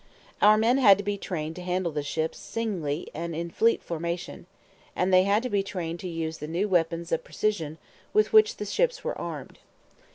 Our men had to be trained to handle the ships singly and in fleet formation, and they had to be trained to use the new weapons of precision with which the ships were armed.